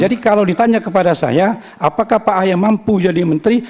jadi kalau ditanya kepada saya apakah pak haye mampu jadi menteri